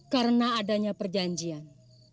karena adanya perjanjian